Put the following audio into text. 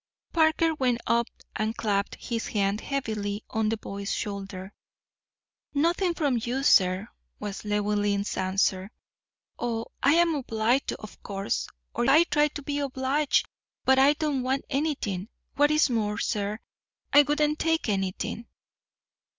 Parker went up and clapped his hand heavily on the boy's shoulder. "Nothing from you, sir," was Llewellyn's answer. "Oh, I am obliged, of course, or I try to be obliged; but I don't want anything. What is more, sir, I wouldn't take anything."